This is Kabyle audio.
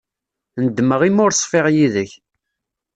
Nedmeɣ imi ur ṣfiɣ yid-k.